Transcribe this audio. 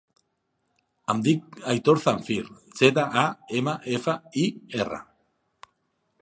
Em dic Aitor Zamfir: zeta, a, ema, efa, i, erra.